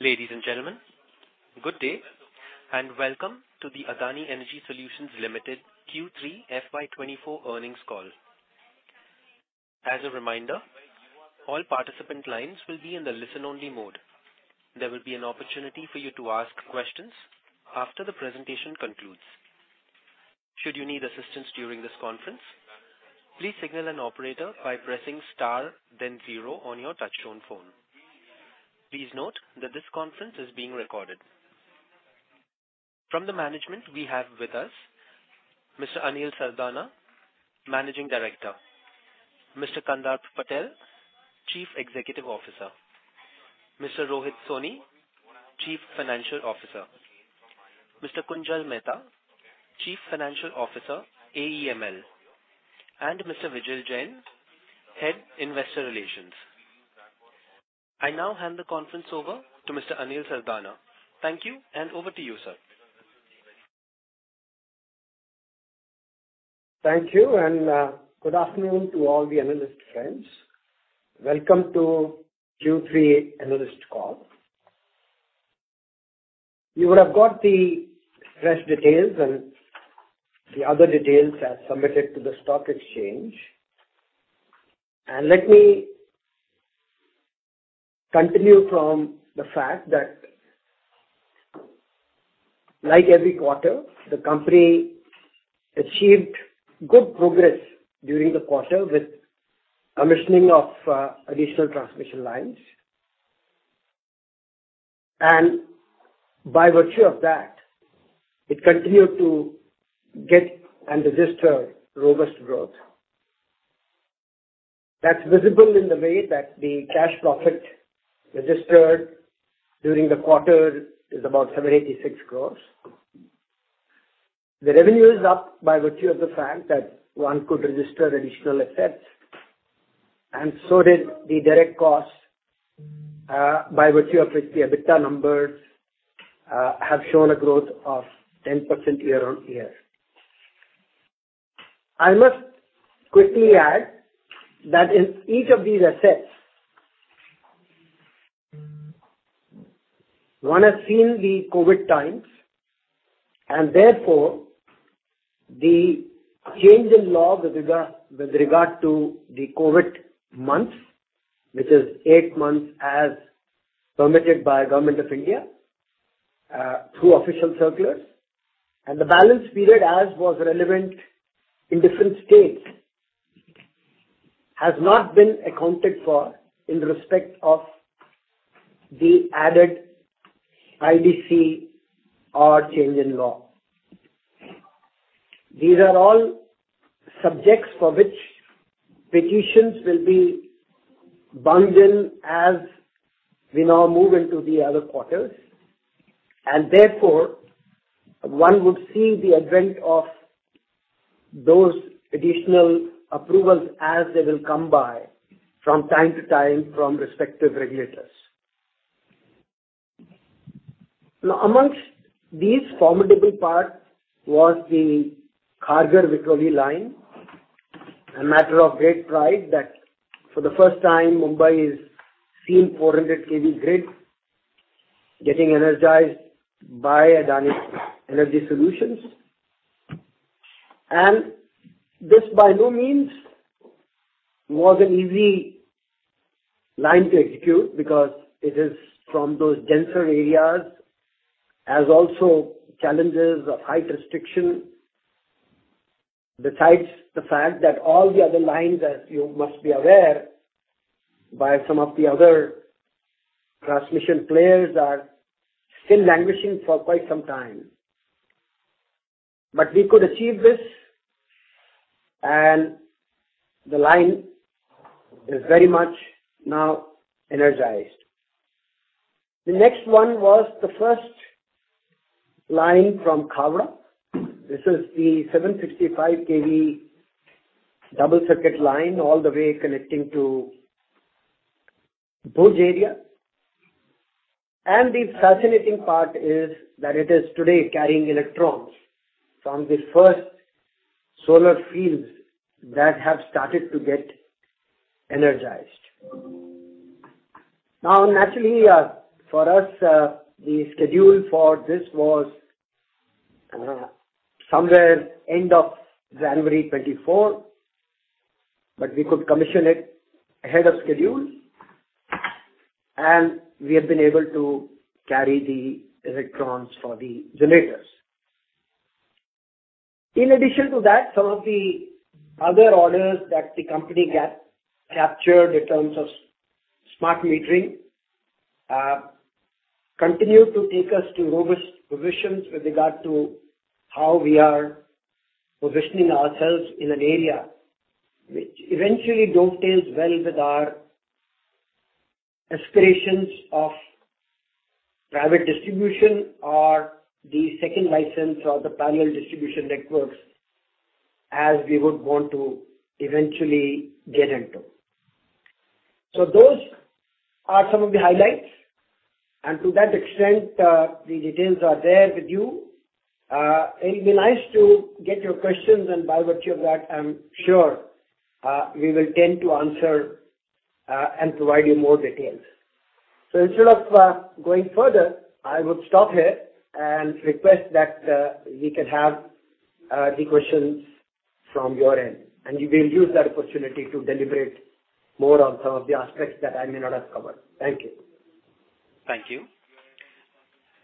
Ladies and gentlemen, good day, and welcome to the Adani Energy Solutions Limited Q3 FY24 Earnings Call. As a reminder, all participant lines will be in the listen-only mode. There will be an opportunity for you to ask questions after the presentation concludes. Should you need assistance during this conference, please signal an operator by pressing star, then zero on your touch-tone phone. Please note that this conference is being recorded. From the management we have with us, Mr. Anil Sardana, Managing Director; Mr. Kandarp Patel, Chief Executive Officer; Mr. Rohit Soni, Chief Financial Officer; Mr. Kunjal Mehta, Chief Financial Officer, AEML; and Mr. Vijil Jain, Head, Investor Relations. I now hand the conference over to Mr. Anil Sardana. Thank you, and over to you, sir. Thank you, and, good afternoon to all the analyst friends. Welcome to Q3 analyst call. You would have got the fresh details and the other details as submitted to the stock exchange. And let me continue from the fact that, like every quarter, the company achieved good progress during the quarter with commissioning of additional transmission lines. And by virtue of that, it continued to get and register robust growth. That's visible in the way that the cash profit registered during the quarter is about 786 crore. The revenue is up by virtue of the fact that one could register additional assets, and so did the direct costs, by virtue of which the EBITDA numbers have shown a growth of 10% year-on-year. I must quickly add that in each of these assets, one has seen the COVID times, and therefore, the change in law with regard, with regard to the COVID months, which is eight months as permitted by Government of India, through official circulars. And the balance period, as was relevant in different states, has not been accounted for in respect of the added IDC or change in law. These are all subjects for which petitions will be bundled as we now move into the other quarters, and therefore, one would see the advent of those additional approvals as they will come by from time to time from respective regulators. Now, amongst these formidable parts was the Kharghar-Vikhroli line. A matter of great pride that for the first time, Mumbai is seeing 400 kV grid getting energized by Adani Energy Solutions. This, by no means, was an easy line to execute because it is from those denser areas, has also challenges of height restriction, besides the fact that all the other lines, as you must be aware, by some of the other transmission players, are still languishing for quite some time. But we could achieve this, and the line is very much now energized. The next one was the first line from Khavda. This is the 765 kV double circuit line, all the way connecting to Bhuj area. The fascinating part is that it is today carrying electrons from the first solar fields that have started to get energized. Now, naturally, for us, the schedule for this was somewhere end of January 2024, but we could commission it ahead of schedule, and we have been able to carry the electrons for the generators. In addition to that, some of the other orders that the company get captured in terms of smart metering continue to take us to robust positions with regard to how we are positioning ourselves in an area which eventually dovetails well with our aspirations of private distribution or the second license or the parallel distribution networks as we would want to eventually get into. So those are some of the highlights, and to that extent, the details are there with you. It'll be nice to get your questions, and by virtue of that, I'm sure we will tend to answer and provide you more details. So instead of going further, I would stop here and request that we can have the questions from your end, and we will use that opportunity to deliberate more on some of the aspects that I may not have covered. Thank you. Thank you.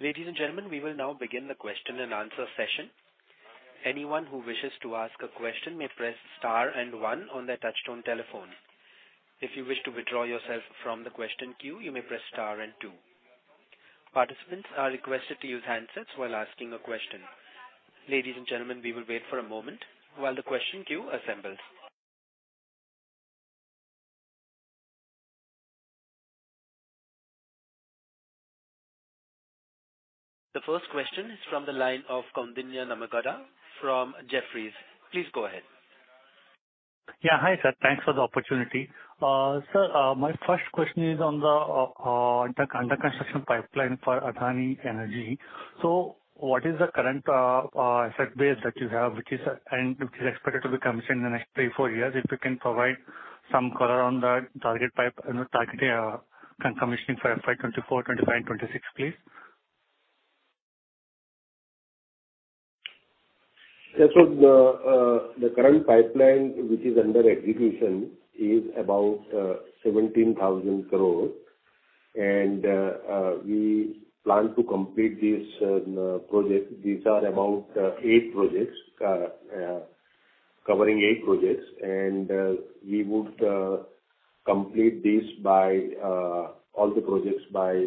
Ladies and gentlemen, we will now begin the question-and-answer session. Anyone who wishes to ask a question may press star and one on their touchtone telephone. If you wish to withdraw yourself from the question queue, you may press star and two. Participants are requested to use handsets while asking a question. Ladies and gentlemen, we will wait for a moment while the question queue assembles. The first question is from the line of Koundinya Nimmagadda from Jefferies. Please go ahead. Yeah. Hi, sir. Thanks for the opportunity. Sir, my first question is on the under construction pipeline for Adani Energy. So what is the current asset base that you have, which is expected to be commissioned in the next three, four years? If you can provide some color on the target pipe and the target commissioning for FY 2024, 2025, and 2026, please. Yes, so the current pipeline, which is under execution, is about 17,000 crore. We plan to complete this project. These are about eight projects covering eight projects, and we would complete this by all the projects by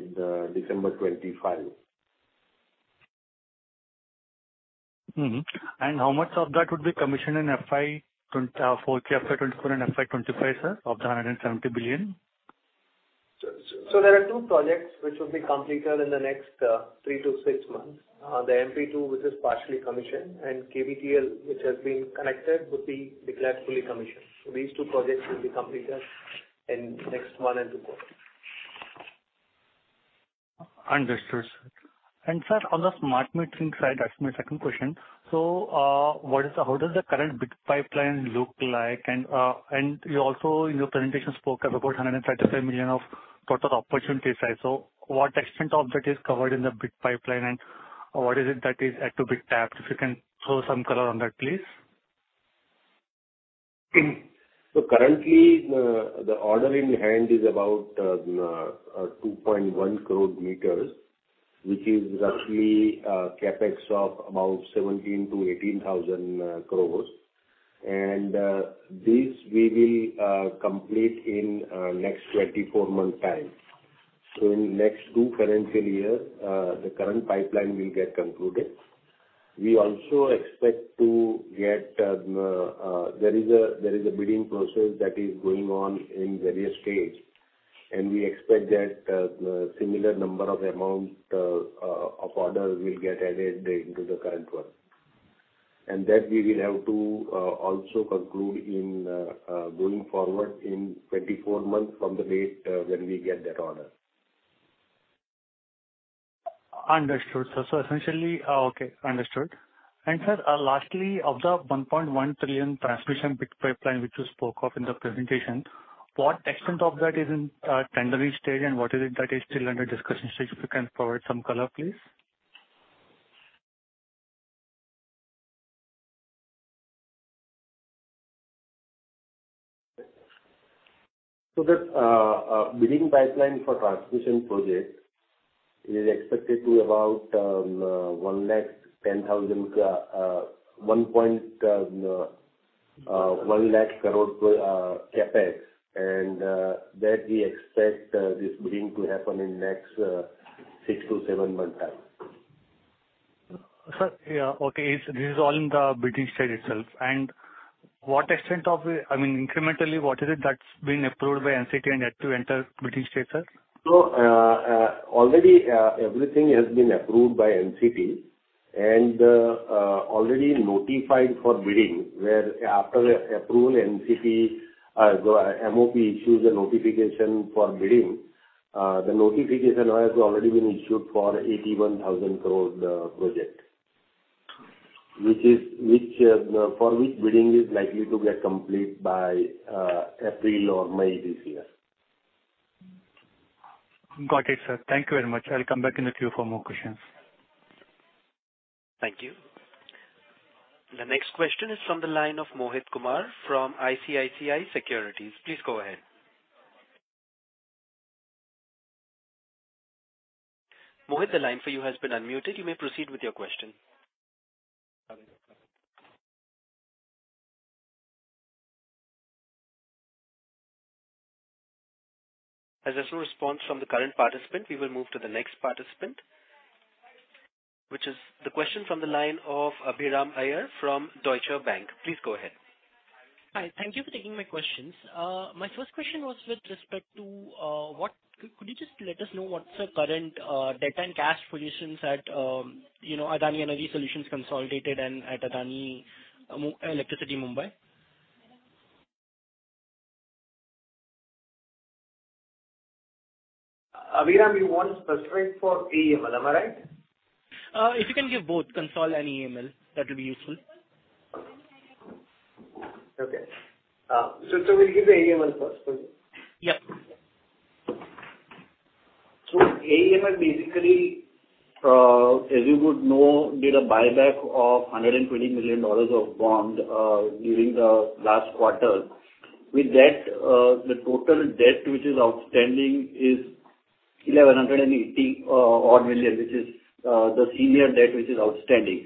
December 2025. Mm-hmm. And how much of that would be commissioned in FY 2024 and FY 2025, sir, of the INR 170 billion? There are two projects which will be completed in the next three to six months. The MP-II, which is partially commissioned, and KVTL, which has been connected, would be declared fully commissioned. So these two projects will be completed in next one and two quarters. Understood, sir. And, sir, on the smart metering side, that's my second question: So, what is the, how does the current bid pipeline look like? And, and you also, in your presentation, spoke about 137 million of total opportunity size. So what extent of that is covered in the bid pipeline, and what is it that is yet to be tapped? If you can throw some color on that, please. So currently, the order in hand is about 2.1 crore meters, which is roughly CapEx of about 17,000-18,000 crore. And this we will complete in next 24-month time. So in next two financial year, the current pipeline will get concluded. We also expect to get, there is a bidding process that is going on in various stage, and we expect that the similar number of amount of orders will get added into the current one. And that we will have to also conclude in going forward in 24 months from the date when we get that order. Understood, sir. So essentially... okay, understood. And, sir, lastly, of the 1.1 trillion transmission bid pipeline, which you spoke of in the presentation, what extent of that is in tendering stage, and what is it that is still under discussion stage? If you can provide some color, please. The bidding pipeline for transmission projects is expected to be about 110,000 crore CapEx, and that we expect this bidding to happen in next six to seven month time. Sir, yeah, okay. This is all in the bidding stage itself. And what extent of the... I mean, incrementally, what is it that's been approved by NCT and yet to enter bidding stage, sir? Already, everything has been approved by NCT and already notified for bidding, where after approval, NCT, MOP issues a notification for bidding. The notification has already been issued for 81,000 crore project, for which bidding is likely to get complete by April or May this year. Got it, sir. Thank you very much. I'll come back in the queue for more questions. Thank you. The next question is from the line of Mohit Kumar from ICICI Securities. Please go ahead. Mohit, the line for you has been unmuted. You may proceed with your question. As there's no response from the current participant, we will move to the next participant, which is the question from the line of Abhiram Iyer from Deutsche Bank. Please go ahead. Hi. Thank you for taking my questions. My first question was with respect to could you just let us know what's the current debt and cash positions at, you know, Adani Energy Solutions consolidated and at Adani Electricity Mumbai? Abhiram, you want specific for AEML, am I right? If you can give both consolidated and AEML, that will be useful. Okay. So, we'll give the AEML first. Yeah. So AEML, basically, as you would know, did a buyback of $120 million of bond during the last quarter. With that, the total debt, which is outstanding, is 1,180 odd million, which is the senior debt, which is outstanding.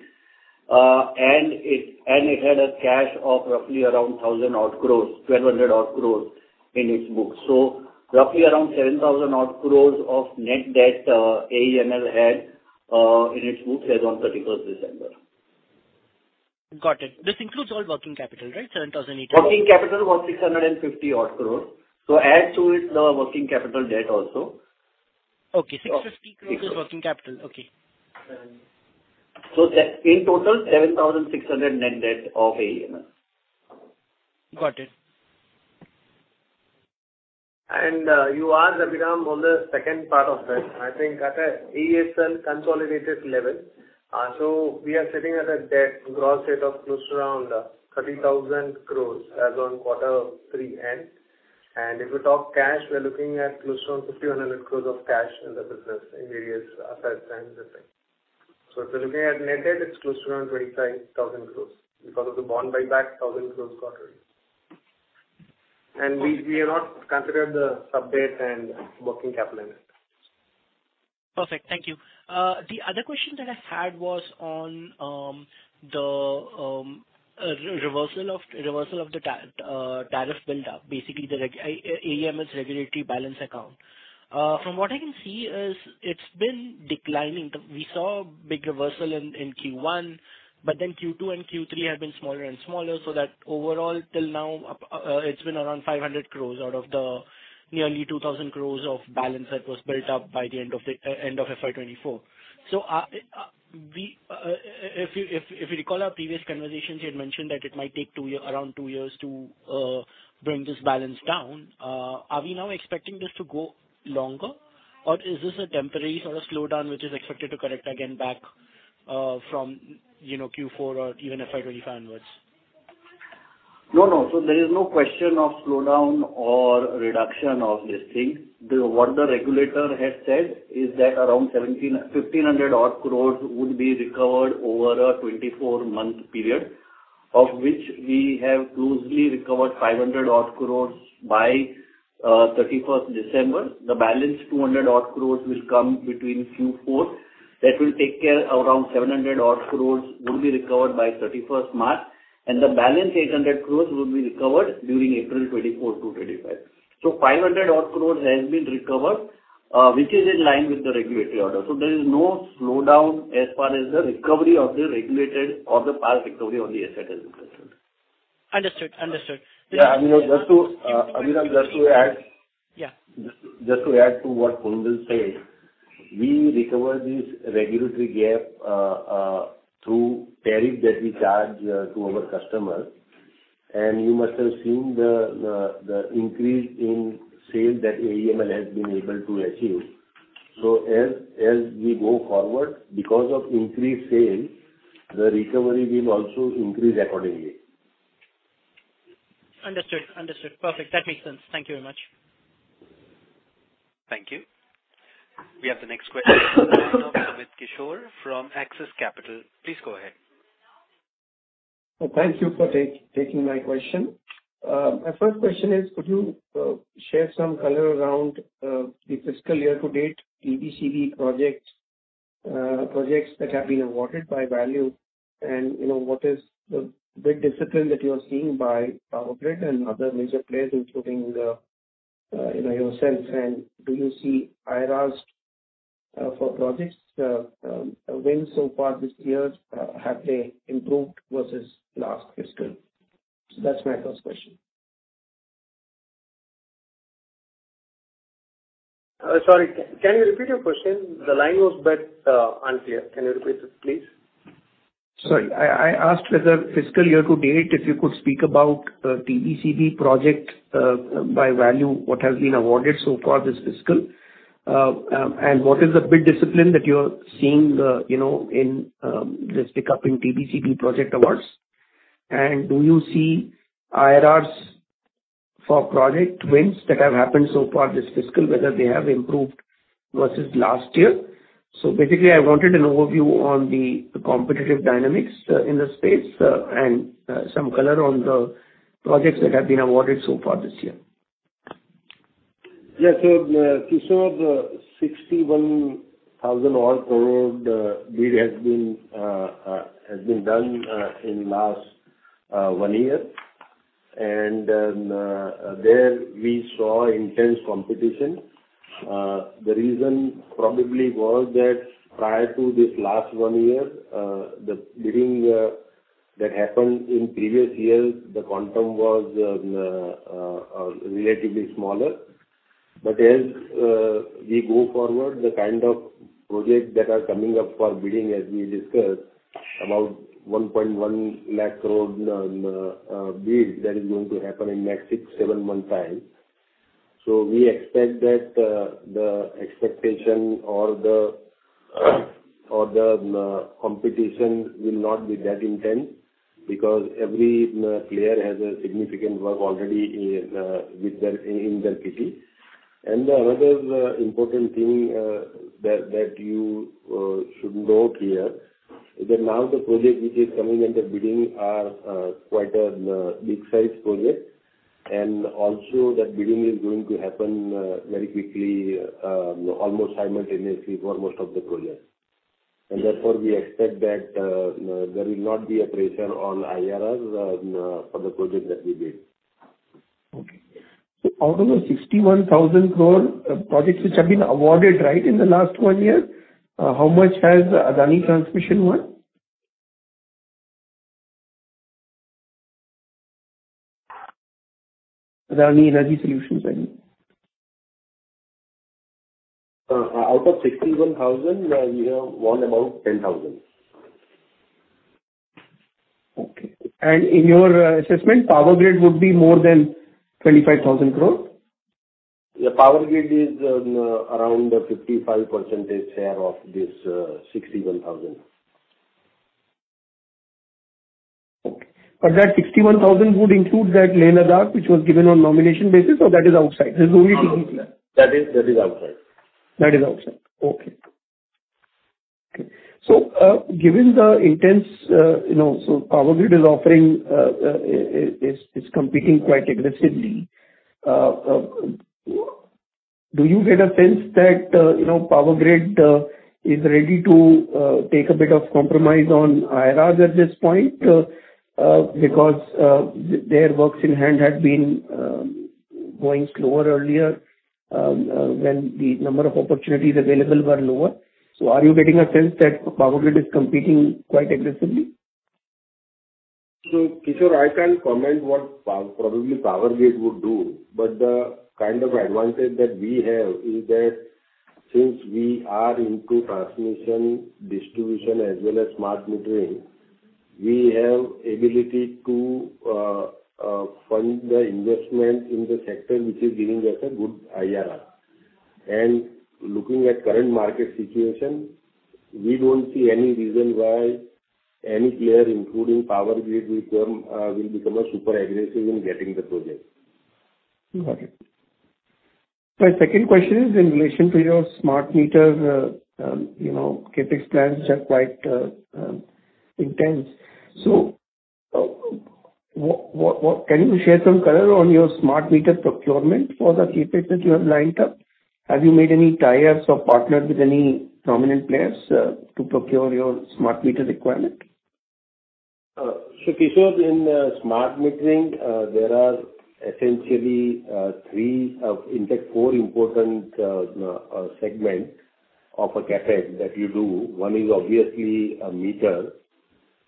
And it had a cash of roughly around 1,000 odd crore, 1,200 odd crore in its books. So roughly around 7,000 odd crore of net debt, AEML had in its books as on 31st December. Got it. This includes all working capital, right? 7,000 eight- Working capital about 650-odd crore. So add to it the working capital debt also. Okay, 650 crore is working capital. Okay. So that in total, 7,600 net debt of AEML. Got it. And, you asked, Abhiram, on the second part of that, I think at a AESL consolidated level. So we are sitting at a debt gross rate of close to around 30,000 crore as on quarter three end. And if you talk cash, we're looking at close to around 5,000 crore of cash in the business in various assets and everything. So if you're looking at net debt, it's close to around 25,000 crore because of the bond buyback, 1,000 crore quarter. And we have not considered the sub-debt and working capital in it. Perfect. Thank you. The other question that I had was on the reversal of the tariff build-up, basically, AEML's regulatory balance account. From what I can see, it's been declining. We saw a big reversal in Q1, but then Q2 and Q3 have been smaller and smaller, so that overall, till now, it's been around 500 crore out of the nearly 2,000 crore of balance that was built up by the end of FY 2024. So, if you recall our previous conversations, you had mentioned that it might take two years, around two years to bring this balance down. Are we now expecting this to go longer, or is this a temporary sort of slowdown, which is expected to correct again back from, you know, Q4 or even FY 25 onwards? No, no. So there is no question of slowdown or reduction of this thing. What the regulator has said is that around 1,700, 1,500 odd crores would be recovered over a 24-month period, of which we have already recovered 500 odd crores by December 31. The balance, 1,000 odd crores, will come between Q4. That will take care around 700 odd crores will be recovered by March 31, and the balance 800 crores will be recovered during April 2024 to 2025. So 500 odd crores has been recovered, which is in line with the regulatory order. So there is no slowdown as far as the recovery of the regulated or the past recovery on the asset is concerned. Understood. Understood. Yeah, I mean, just to, Abhiram, just to add- Yeah. Just to add to what Vijil said, we recover this regulatory gap through tariff that we charge to our customers. You must have seen the increase in sales that AEML has been able to achieve. As we go forward, because of increased sales, the recovery will also increase accordingly. Understood. Understood. Perfect. That makes sense. Thank you very much. Thank you. We have the next question from Kishore from Axis Capital. Please go ahead. Thank you for taking my question. My first question is, could you share some color around the fiscal year to date, TBCB projects, projects that have been awarded by value? And, you know, what is the bid discipline that you are seeing by Power Grid and other major players, including, you know, yourself? And do you see IRRs for projects won so far this year, have they improved versus last fiscal? So that's my first question. Sorry, can you repeat your question? The line was bit unclear. Can you repeat it, please? Sorry. I asked whether fiscal year to date, if you could speak about TBCB project by value, what has been awarded so far this fiscal? And what is the bid discipline that you're seeing, you know, in this pick-up in TBCB project awards? And do you see IRRs for project wins that have happened so far this fiscal, whether they have improved versus last year? So basically, I wanted an overview on the competitive dynamics in the space, and some color on the projects that have been awarded so far this year. Yeah. So, Kishore, 61,000 odd crore bid has been done in last one year. And then, we saw intense competition. The reason probably was that prior to this last one year, the bidding that happened in previous years, the quantum was relatively smaller. But as we go forward, the kind of projects that are coming up for bidding, as we discussed about 110,000 crore bid that is going to happen in next six, seven month time. So we expect that, the expectation or the competition will not be that intense, because every player has a significant work already in their kitty. Another important thing that you should note here is that now the project which is coming under bidding are quite a big-sized project. Also, bidding is going to happen very quickly, almost simultaneously for most of the projects. Therefore, we expect that there will not be a pressure on IRR for the projects that we bid. Okay. So out of the 61,000 crore projects which have been awarded, right, in the last one year, how much has Adani Transmission won? Adani Energy Solutions, I mean. Out of 61,000, we have won about 10,000. Okay. In your assessment, Power Grid would be more than 25,000 crore? The Power Grid is around the 55% share of this 61,000. Okay. But that 61,000 would include that Leh-Ladakh, which was given on nomination basis or that is outside? There's no That is, that is outside. That is outside. Okay. Okay. So, given the intense, you know, so Power Grid is competing quite aggressively. Do you get a sense that, you know, Power Grid is ready to take a bit of compromise on IRRs at this point? Because their works in hand had been going slower earlier, when the number of opportunities available were lower. So are you getting a sense that Power Grid is competing quite aggressively? So, Kishore, I can't comment what probably Power Grid would do, but the kind of advantage that we have is that since we are into transmission, distribution, as well as smart metering, we have ability to fund the investment in the sector, which is giving us a good IRR. And looking at current market situation, we don't see any reason why any player, including Power Grid, will become super aggressive in getting the project. Got it. My second question is in relation to your smart meter, you know, CapEx plans, which are quite intense. So, what can you share some color on your smart meter procurement for the CapEx that you have lined up? Have you made any tie-ups or partnered with any prominent players, to procure your smart meter requirement? So, Kishore, in smart metering, there are essentially three, in fact, four important segment of a CapEx that you do. One is obviously a meter.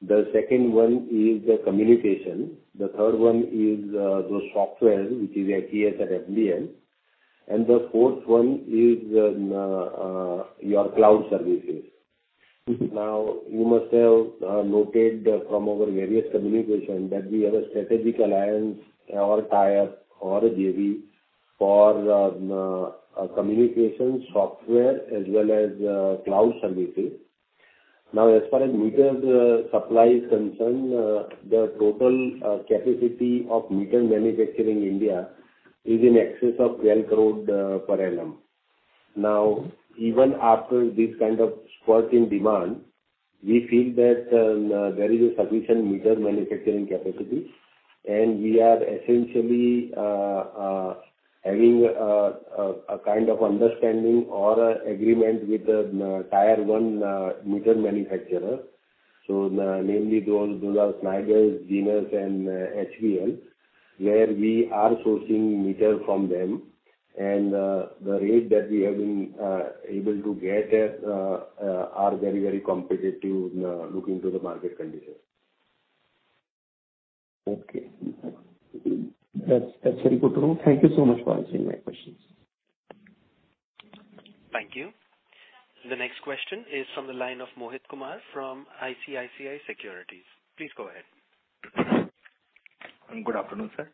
The second one is the communication. The third one is those software, which is ADS and FBN. And the fourth one is your cloud services. Mm-hmm. Now, you must have noted from our various communication that we have a strategic alliance or tie-up or a JV for communication software as well as cloud services. Now, as far as meter supply is concerned, the total capacity of meter manufacturing India is in excess of 12 crore per annum. Now, even after this kind of spurt in demand, we feel that there is a sufficient meter manufacturing capacity, and we are essentially having a kind of understanding or a agreement with the tier one meter manufacturer. So the mainly those, those are Schneider, Genus, and HPL, where we are sourcing meter from them. And the rate that we have been able to get at are very, very competitive looking to the market conditions. Okay. That's very good to know. Thank you so much for answering my questions. Thank you. The next question is from the line of Mohit Kumar from ICICI Securities. Please go ahead. Good afternoon, sir.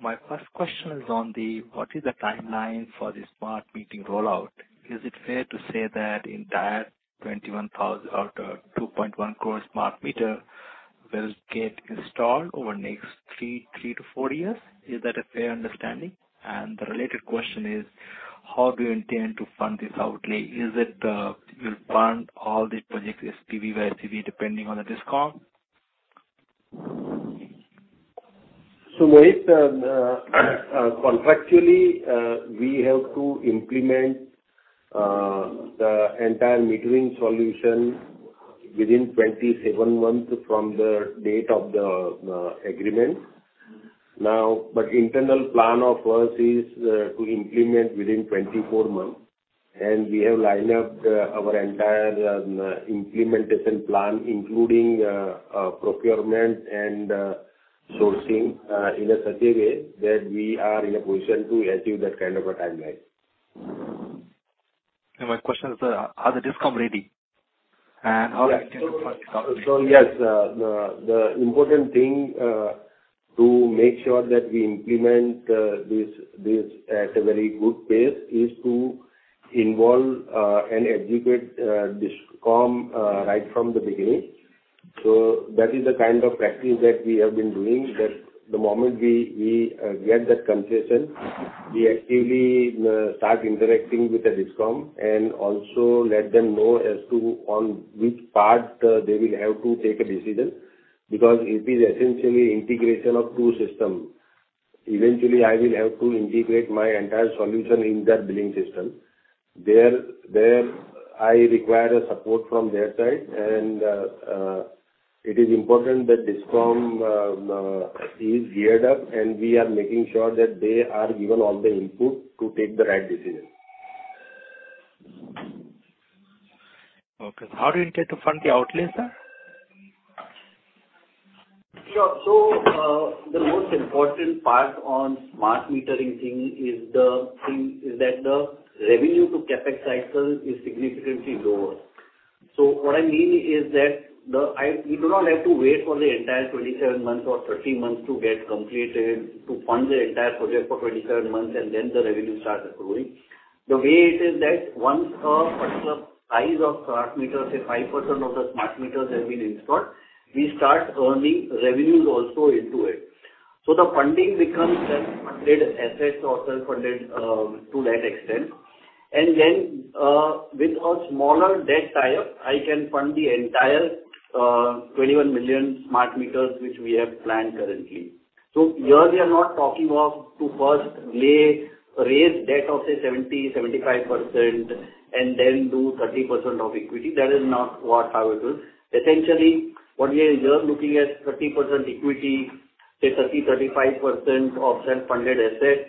My first question is on what is the timeline for the smart metering rollout? Is it fair to say that entire 21,000 or 2.1 crore smart meter will get installed over the next three to four years? Is that a fair understanding? And the related question is: How do you intend to fund this outlay? Is it you'll fund all the projects SPV via SPV, depending on the discount? So, Mohit, contractually, we have to implement the entire metering solution within 27 months from the date of the agreement. Now, but internal plan of course is to implement within 24 months, and we have lined up our entire implementation plan, including procurement and sourcing in a such a way that we are in a position to achieve that kind of a timeline. My question is, are the DISCOM ready? And how are they- So, yes, the important thing to make sure that we implement this at a very good pace is to involve and educate DISCOM right from the beginning. So that is the kind of practice that we have been doing, that the moment we get that concession, we actively start interacting with the DISCOM and also let them know as to on which part they will have to take a decision. Because it is essentially integration of two systems. Eventually, I will have to integrate my entire solution in that billing system. There I require a support from their side, and it is important that DISCOM is geared up, and we are making sure that they are given all the input to take the right decision. Okay. How do you get to fund the outlays, sir? Sure. So, the most important part on smart metering thing is that the revenue to CapEx cycle is significantly lower. So what I mean is that we do not have to wait for the entire 27 months or 30 months to get completed to fund the entire project for 27 months and then the revenue starts accruing. The way it is that once a customer size of smart meters, say, 5% of the smart meters have been installed, we start earning revenues also into it. So the funding becomes a self-funded asset or self-funded to that extent. And then, with a smaller debt tie-up, I can fund the entire 21 million smart meters, which we have planned currently. So here we are not talking of to first lay, raise debt of say 70%-75%, and then do 30% of equity. That is not what I will do. Essentially, what we are just looking at 30% equity, say 30%-35% of self-funded asset,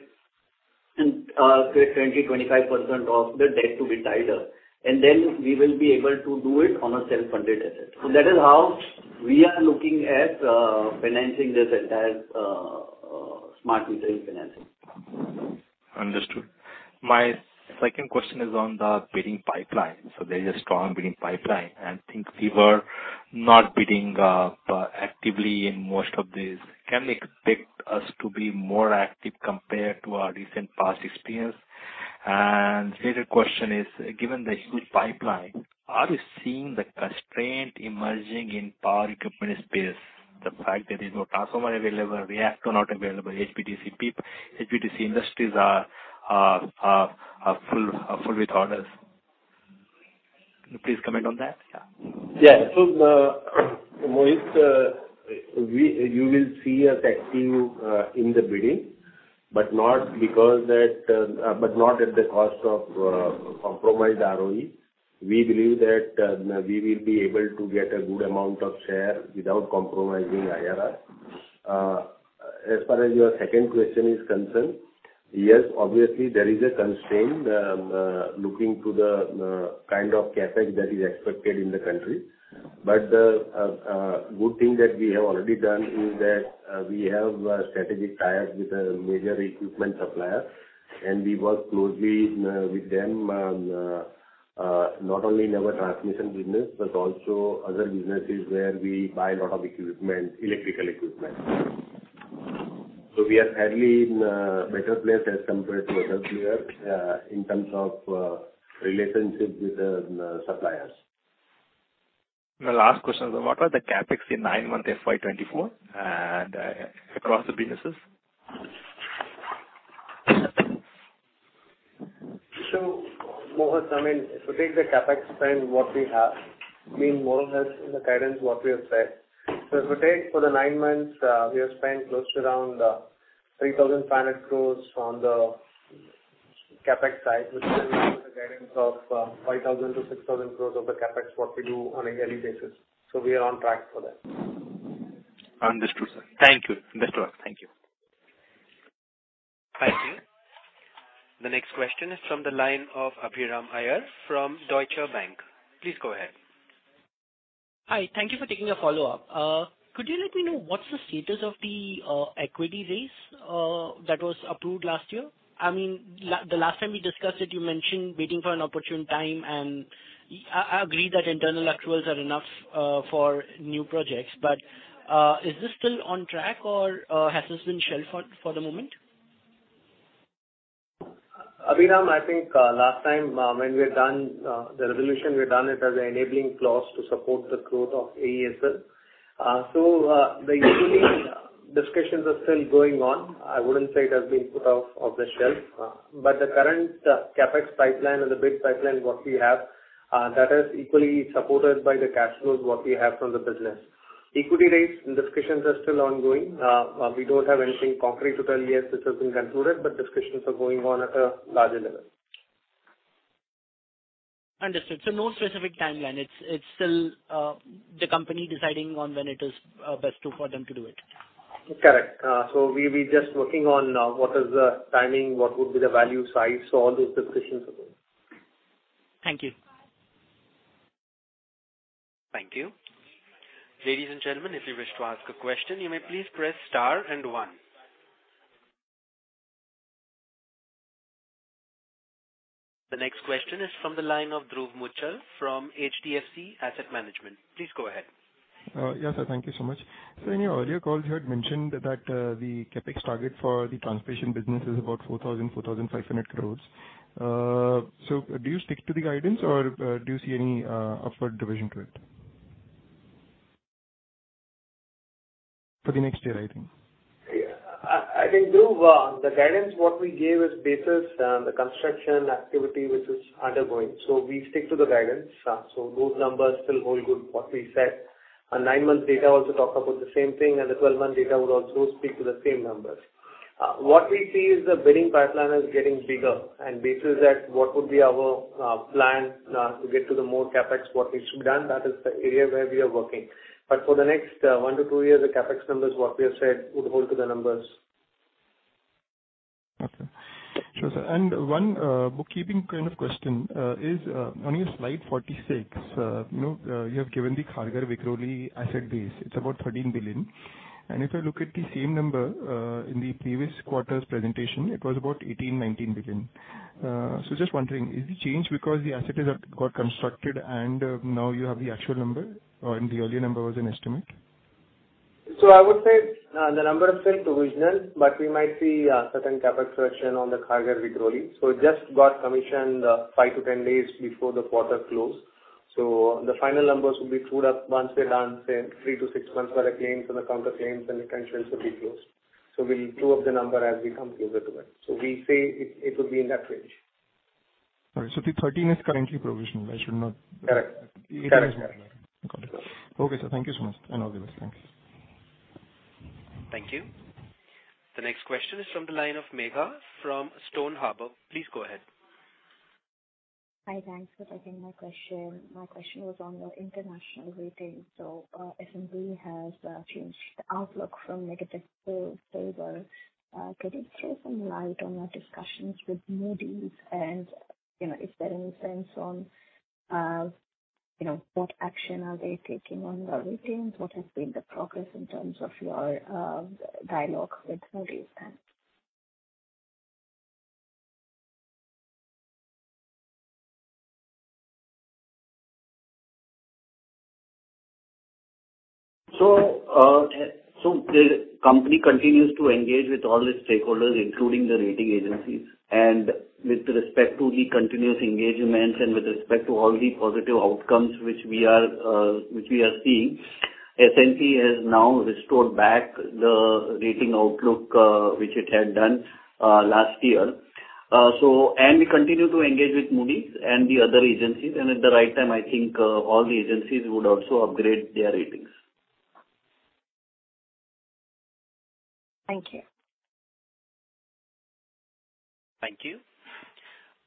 and say 20%-25% of the debt to be tied up, and then we will be able to do it on a self-funded asset. So that is how we are looking at financing this entire smart metering financing. Understood. My second question is on the bidding pipeline. So there is a strong bidding pipeline, and I think we were not bidding actively in most of these. Can we expect us to be more active compared to our recent past experience? And the other question is, given the huge pipeline, are you seeing the constraint emerging in power equipment space, the fact there is no transformer available, reactor not available, HVDC people, HVDC industries are full with orders? Please comment on that. Yeah. Yeah. So, Mohit, You will see us active in the bidding, but not because that, but not at the cost of compromised ROE. We believe that we will be able to get a good amount of share without compromising IRR. As far as your second question is concerned, yes, obviously, there is a constraint looking to the kind of CapEx that is expected in the country. But the good thing that we have already done is that we have strategic ties with a major equipment supplier, and we work closely with them not only in our transmission business, but also other businesses where we buy a lot of equipment, electrical equipment. We are fairly in a better place as compared to other years, in terms of relationships with the suppliers. My last question is, what are the CapEx in nine months, FY 2024, and across the businesses? So, Mohit, I mean, if you take the CapEx spend, what we have, mean more or less in the guidance, what we have said. So if we take for the nine months, we have spent close to around, 3,500 crores on the CapEx side, which is the guidance of, 5,000-6,000 crores of the CapEx, what we do on a yearly basis. So we are on track for that. Understood, sir. Thank you. Understood. Thank you. Thank you. The next question is from the line of Abhiram Iyer from Deutsche Bank. Please go ahead. Hi. Thank you for taking the follow-up. Could you let me know what's the status of the equity raise that was approved last year? I mean, the last time we discussed it, you mentioned waiting for an opportune time, and I agree that internal actuaries are enough for new projects, but is this still on track or has this been shelved for the moment? Abhiram, I think last time, when we had done the resolution, we had done it as an enabling clause to support the growth of AESL. So, the usual discussions are still going on. I wouldn't say it has been put on the shelf, but the current CapEx pipeline and the bid pipeline, what we have, that is equally supported by the cash flows, what we have from the business. Equity raise and discussions are still ongoing. We don't have anything concrete to tell, "Yes, this has been concluded," but discussions are going on at a larger level. Understood. So no specific timeline. It's still the company deciding on when it is best to, for them to do it. Correct. So we just working on what is the timing, what would be the value side. So all those discussions are going. Thank you.... Thank you. Ladies and gentlemen, if you wish to ask a question, you may please press star and one. The next question is from the line of Dhruv Muchhal from HDFC Asset Management. Please go ahead. Yes, sir. Thank you so much. Sir, in your earlier calls, you had mentioned that the CapEx target for the transmission business is about 4,000-4,500 crore. So do you stick to the guidance or do you see any upward revision to it? For the next year, I think. Yeah. I think, Dhruv, the guidance what we gave is basis the construction activity which is undergoing. So we stick to the guidance. So those numbers still hold good what we said. Our nine-month data also talked about the same thing, and the 12-month data would also speak to the same numbers. What we see is the bidding pipeline is getting bigger, and basis that, what would be our plan to get to the more CapEx what needs to be done, that is the area where we are working. But for the next one to two years, the CapEx numbers what we have said would hold to the numbers. Okay. Sure, sir. And one, bookkeeping kind of question, is, on your slide 46, you know, you have given the Kharghar-Vikhroli asset base. It's about 13 billion. And if I look at the same number, in the previous quarter's presentation, it was about 18 billion-19 billion. So just wondering, is the change because the asset is got constructed and now you have the actual number, or and the earlier number was an estimate? So I would say, the numbers are still provisional, but we might see a certain CapEx reduction on the Kharghar-Vikhroli. So it just got commissioned, five to 10 days before the quarter closed. So the final numbers will be true once we're done, say, three to six months, where the claims and the counterclaims and the tensions will be closed. So we'll true up the number as we come closer to it. So we say it, it will be in that range. All right, so the 13 is currently provisional. I should not- Correct. It is correct. Got it. Okay, sir. Thank you so much, and all the best. Thank you. Thank you. The next question is from the line of Megha from Stone Harbor. Please go ahead. Hi, thanks for taking my question. My question was on the international rating. So, S&P has changed the outlook from negative to stable. Could you throw some light on your discussions with Moody's? And, you know, is there any sense on, you know, what action are they taking on the ratings? What has been the progress in terms of your dialogue with Moody's then? The company continues to engage with all its stakeholders, including the rating agencies. With respect to the continuous engagements and with respect to all the positive outcomes which we are, which we are seeing, S&P has now restored back the rating outlook, which it had done, last year. We continue to engage with Moody's and the other agencies, and at the right time, I think, all the agencies would also upgrade their ratings. Thank you. Thank you.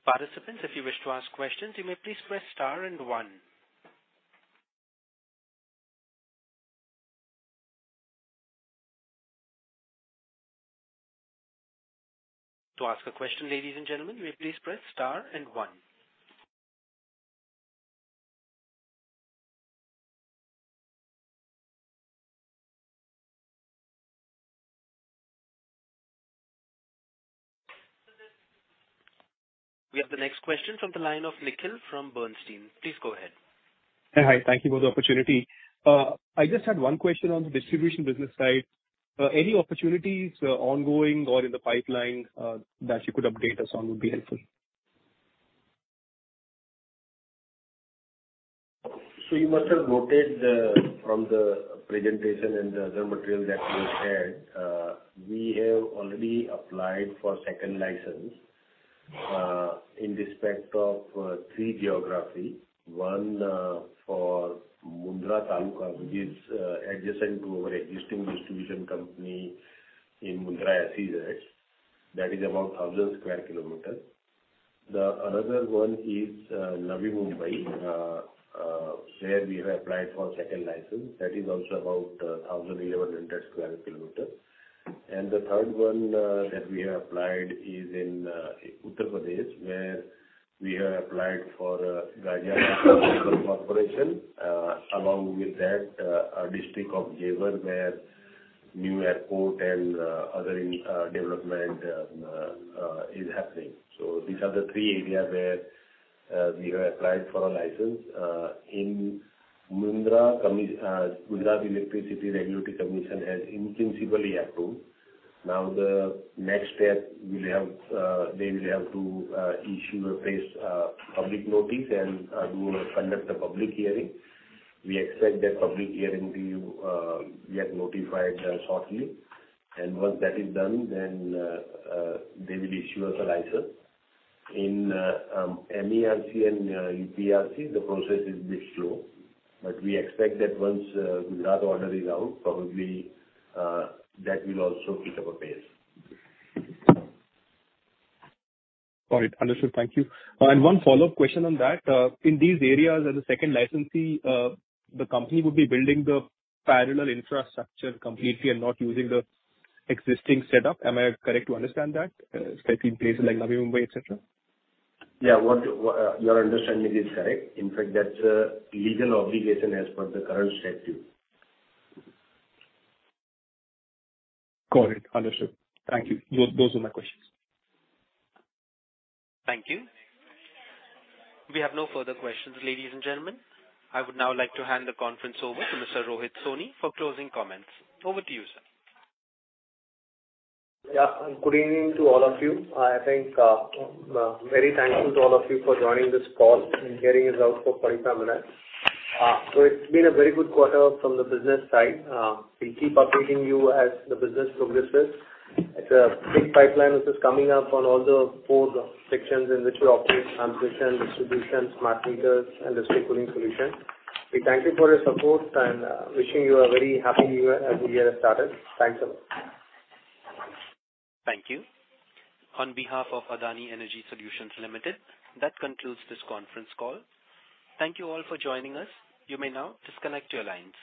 Participants, if you wish to ask questions, you may please press star and one. To ask a question, ladies and gentlemen, will you please press star and one. We have the next question from the line of Nikhil from Bernstein. Please go ahead. Hi. Thank you for the opportunity. I just had one question on the distribution business side. Any opportunities ongoing or in the pipeline, that you could update us on would be helpful. You must have noted from the presentation and the other material that we shared, we have already applied for second license in respect of three geographies. One for Mundra Taluka, which is adjacent to our existing distribution company in Mundra SEZ. That is about 1,000 sq km. The other one is Navi Mumbai, where we have applied for second license. That is also about 1,000 sq km-1,100 sq km. And the third one that we have applied is in Uttar Pradesh, where we have applied for Ghaziabad Local Corporation, along with that, a district of Jewar, where new airport and other development is happening. So these are the three areas where we have applied for a license. In Mundra, the Gujarat Electricity Regulatory Commission has in principle approved. Now, the next step will have they will have to issue a public notice and conduct a public hearing. We expect that public hearing to get notified shortly. Once that is done, they will issue us a license. In MERC and UPRC, the process is bit slow, but we expect that once Gujarat order is out, probably, that will also pick up a pace. All right. Understood. Thank you. One follow-up question on that. In these areas, as a second licensee, the company would be building the parallel infrastructure completely and not using the existing setup. Am I correct to understand that, especially in places like Navi Mumbai, et cetera? Your understanding is correct. In fact, that's a legal obligation as per the current statute. Got it. Understood. Thank you. Those, those are my questions. Thank you. We have no further questions, ladies and gentlemen. I would now like to hand the conference over to Mr. Rohit Soni for closing comments. Over to you, sir. Yeah, good evening to all of you. I think, very thankful to all of you for joining this call and hearing us out for 45 minutes. So it's been a very good quarter from the business side. We'll keep updating you as the business progresses. It's a big pipeline which is coming up on all the sections sections in which we operate: transmission, distribution, smart meters, and the smart cooling solution. We thank you for your support, and wishing you a very happy new year as the year has started. Thanks a lot. Thank you. On behalf of Adani Energy Solutions Limited, that concludes this conference call. Thank you all for joining us. You may now disconnect your lines.